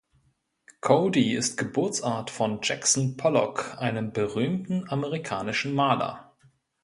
Cody ist Geburtsort von Jackson Pollock, einem berühmten amerikanischen Maler.